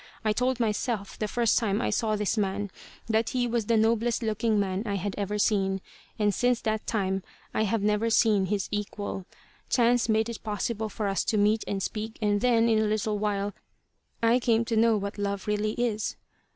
I told myself, the first time I saw this man, that he was the noblest looking man I had ever seen, and since that time I have never seen his equal. Chance made it possible for us to meet and speak, and then, in a little while, I came to know what love really is.